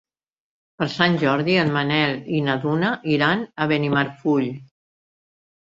Per Sant Jordi en Manel i na Duna iran a Benimarfull.